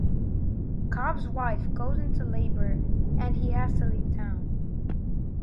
Cobbs wife goes into labour and he has to leave town.